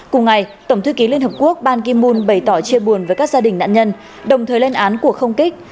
cùng ngày tổng thư ký liên hợp quốc ban kim mun bày tỏ chia buồn với các gia đình nạn nhân đồng thời lên án cuộc không kích